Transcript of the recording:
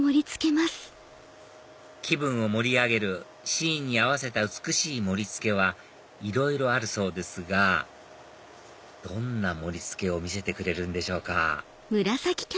気分を盛り上げるシーンに合わせた美しい盛り付けはいろいろあるそうですがどんな盛り付けを見せてくれるんでしょうか？